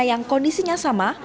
yang kondisinya sama